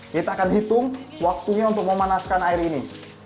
kita akan hitung waktunya untuk memanaskan air ini